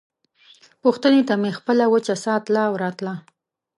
پوښتنې ته مې خپله وچه ساه تله او راتله.